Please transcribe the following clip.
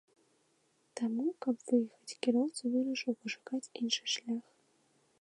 Таму, каб выехаць, кіроўца вырашыў пашукаць іншы шлях.